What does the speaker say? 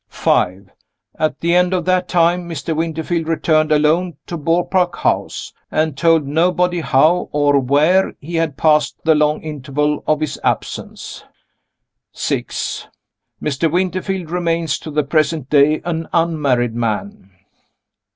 5. At the end of that time Mr. Winterfield returned alone to Beaupark House, and told nobody how, or where, he had passed the long interval of his absence. 6. Mr. Winterfield remains, to the present day, an unmarried man.